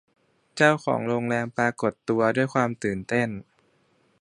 เจ้าของโรงแรมปรากฏตัวด้วยความตื่นเต้น